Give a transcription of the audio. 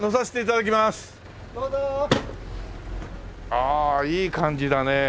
ああいい感じだね。